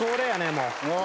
もう。